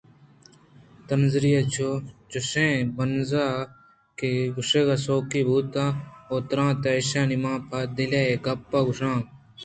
تانزی ءِ چُشیں ہُنراں کرگُشک سُوکی بُوت ءُ درّائینت اِش من پہ دل اے گپّ ءَ گوٛشاں